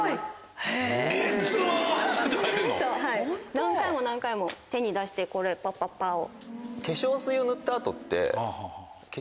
何回も何回も手に出してパッパッパッを。